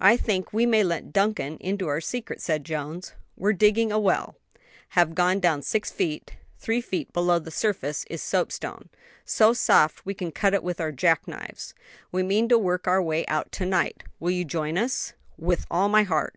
"I think we may let Duncan into our secret," said Jones. "We're digging a well; have gone down six feet; three feet below the surface is soapstone, so soft we can cut it with our jack knives. We mean to work our way out to night. Will you join us?" "With all my heart."